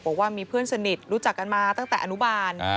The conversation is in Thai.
บอกว่ามีเพื่อนสนิทรู้จักกันมาตั้งแต่อนุบาล